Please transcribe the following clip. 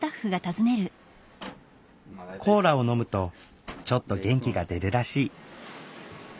コーラを飲むとちょっと元気が出るらしい。